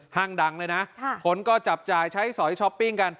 ห้างดังเลยนะคนก็จับจ่ายใช้สอยช้อปปิ้งกัน